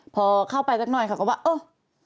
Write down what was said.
พอเข้าไปสักหน่อยเขาก็ว่าเออ